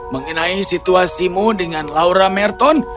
mengenai situasimu dengan laura merton